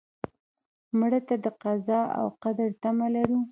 مړه ته د قضا او قدر تمه لرو